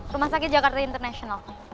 rumah sakit jakarta international